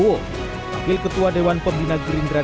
wakil ketua dewan pembina gerindra